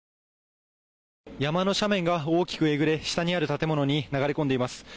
山の斜面が大きくえぐれ下にある建物に流れ込んでいます。